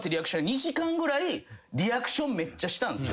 ２時間ぐらいリアクションめっちゃしたんですよ。